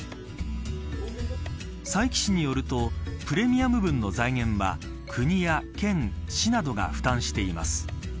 佐伯市によるとプレミア分の財源は国や県、市などが負担しています。